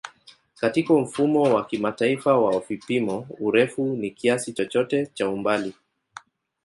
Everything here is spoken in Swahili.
Katika Mfumo wa Kimataifa wa Vipimo, urefu ni kiasi chochote cha umbali.